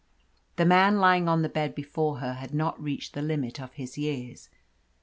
The man lying on the bed before her had not reached the limit of his years.